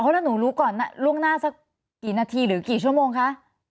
แล้วหนูรู้ก่อนล่วงหน้าสักกี่นาทีหรือกี่ชั่วโมงคะ